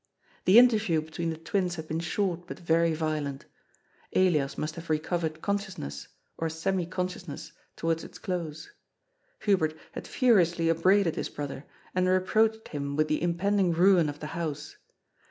The interview between the twins had been short, but very violent Elias must have recovered consciousness, or semi consciousness, towards its close. Hubert had furiously upbraided his brother, and reproached him with the im pending ruin of the house.